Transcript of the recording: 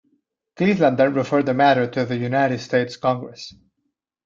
Cleveland then referred the matter to the United States Congress.